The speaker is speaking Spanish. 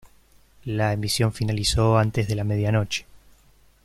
La emisión finalizó antes de la medianoche.